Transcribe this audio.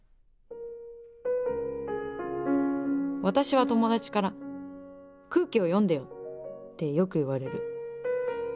私は友達から「空気を読んでよ」ってよく言われる。